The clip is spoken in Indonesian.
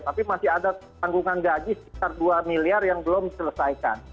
tapi masih ada tanggungan gaji sekitar dua miliar yang belum diselesaikan